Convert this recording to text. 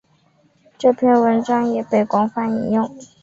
这篇文章也被广泛引用。